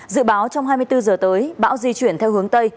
dự báo trong hai mươi bốn giờ tới bão di chuyển theo hướng tây